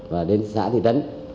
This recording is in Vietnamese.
và đến xã thị tấn